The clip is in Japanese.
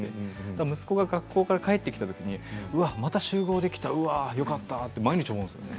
息子が学校から帰ってきたときにうわあ、また集合できたよかったと毎日思うんです。